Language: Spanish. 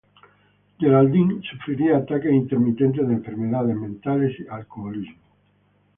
Geraldine sufriría ataques intermitentes de enfermedades mentales y alcoholismo.